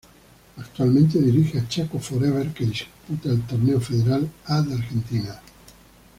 Actualmente dirige a Chaco For Ever que disputa el Torneo Federal A de Argentina.